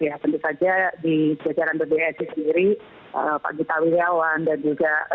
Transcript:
ya tentu saja di jajaran pbsi sendiri pak gita wirjawan dan juga